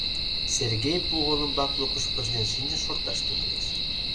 Сергей пу олымбак лукыш пызнен шинчын шорташ тӱҥалеш.